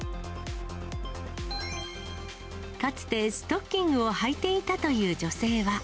かつてストッキングをはいていたという女性は。